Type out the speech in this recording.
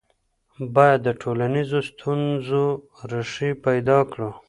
باید د ټولنیزو ستونزو ریښې پیدا کړو.